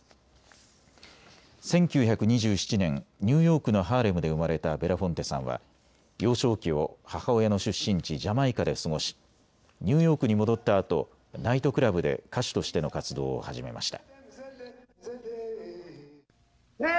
１９２７年、ニューヨークのハーレムで生まれたベラフォンテさんは幼少期を母親の出身地ジャマイカで過ごしニューヨークに戻ったあとナイトクラブで歌手としての活動を始めました。